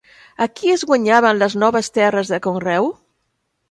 A qui es guanyaven les noves terres de conreu?